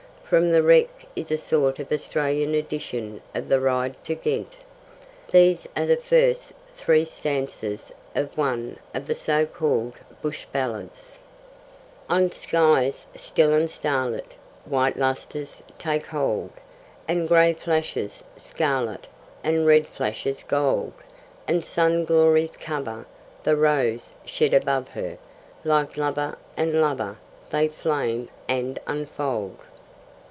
From the Wreck is a sort of Australian edition of the Ride to Ghent. These are the first three stanzas of one of the so called Bush Ballads: On skies still and starlit White lustres take hold, And grey flashes scarlet, And red flashes gold. And sun glories cover The rose, shed above her, Like lover and lover They flame and unfold.